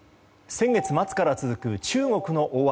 先月末から続く中国の大雨